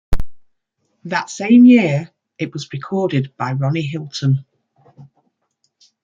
That same year it was recorded by Ronnie Hilton.